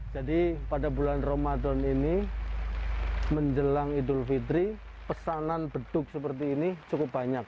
jadi pada bulan ramadan ini menjelang idul fitri pesanan beduk seperti ini cukup banyak